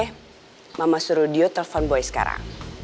eh mama suruh dio telepon boy sekarang